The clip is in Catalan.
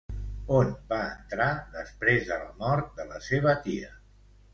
On va entrar després de la mort de la seva tia ?